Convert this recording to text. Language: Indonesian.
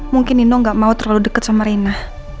mungkin nino gak mau terlalu deket sama rina